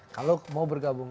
kalau mau bergabung